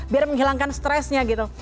biar menghilangkan stressnya gitu